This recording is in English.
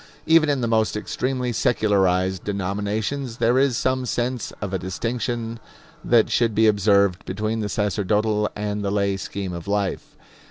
Even in the most extremely secularized denominations, there is some sense of a distinction that should be observed between the sacerdotal and the lay scheme of life.